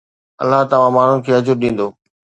الله توهان ماڻهن کي اجر ڏيندو